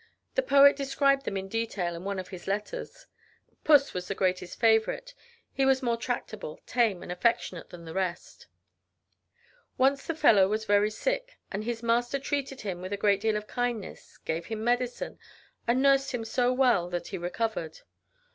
The poet described them in detail in one of his letters. Puss was the greatest favorite. He was more tractable, tame and affectionate than the rest. Once the fellow was very sick, and his master treated him with a great deal of kindness, gave him medicine, and nursed him so well that he recovered.